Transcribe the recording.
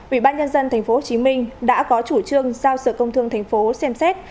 ubnd tp hcm đã có chủ trương giao sự công thương tp xem xét